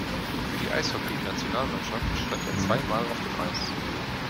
Für die Eishockeynationalmannschaft stand er zweimal auf dem Eis.